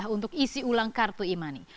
untuk isi ulang kartu e money